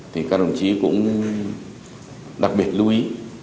thì các đồng chí cũng đặc biệt lưu ý